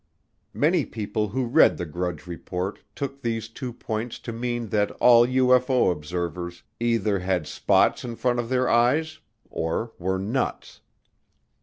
Many people who read the Grudge Report took these two points to mean that all UFO observers either had spots in front of their eyes or were nuts.